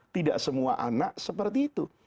tidak semua anak seperti itu